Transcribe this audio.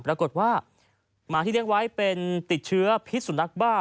ปรากฏว่าหมาที่เลี้ยงไว้เป็นติดเชื้อพิษสุนัขบ้า